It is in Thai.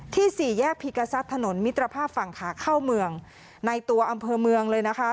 สี่แยกพีกษัตริย์ถนนมิตรภาพฝั่งขาเข้าเมืองในตัวอำเภอเมืองเลยนะคะ